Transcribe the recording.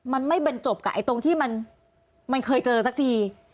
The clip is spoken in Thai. มันไม่บรรจบกับตรงที่มันเคยเจอสักที